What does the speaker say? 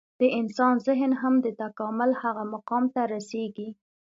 د انسان ذهن هم د تکامل هغه مقام ته رسېږي.